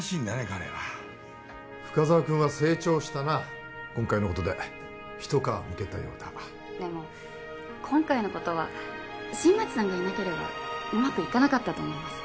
彼は深沢君は成長したな今回のことで一皮むけたようだでも今回のことは新町さんがいなければうまくいかなかったと思います